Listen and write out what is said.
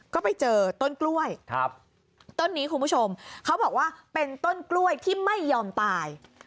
ก็ไปเจอต้นกล้วยต้นนี้คุณผู้ชมเขาบอกว่าเป็นต้นกล้วยที่ไม่ยอมตาย